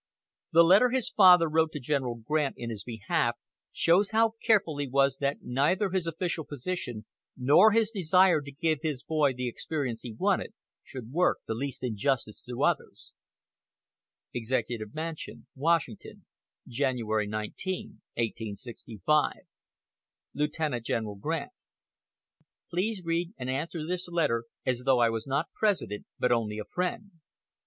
The letter his father wrote to General Grant in his behalf shows how careful he was that neither his official position nor his desire to give his boy the experience he wanted, should work the least injustice to others: Executive Mansion, Washington, January 19th, 1865. Lieutenant General Grant: Please read and answer this letter as though I was not President, but only a friend.